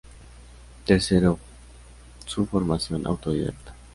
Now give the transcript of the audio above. Tercero su formación autodidacta.